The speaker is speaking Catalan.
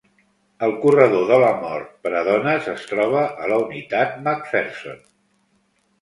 El corredor de la mort per a dones es troba a la Unitat McPherson.